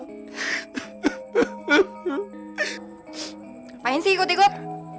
ngapain sih ikut ikut